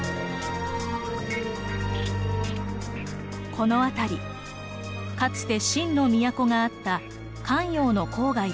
この辺りかつて秦の都があった咸陽の郊外です。